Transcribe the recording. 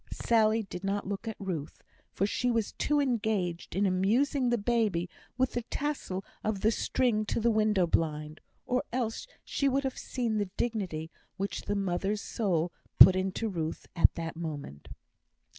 Sally did not look at Ruth, for she was too much engaged in amusing the baby with the tassel of the string to the window blind, or else she would have seen the dignity which the mother's soul put into Ruth at that moment.